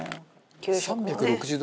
「３６０度